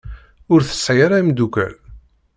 Ur tesɛi ara imdukkal.